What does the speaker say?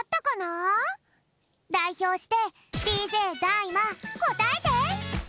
だいひょうしてＤＪＤＡ−ＩＭＡこたえて！